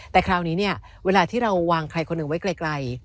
แต่คราวนี้เนี่ยเวลาที่เราวางใครคนหนึ่งไว้ไกล